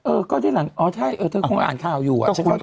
เออก็ทีหลังอ๋อใช่เออเธอคงอ่านข่าวอยู่อ่ะ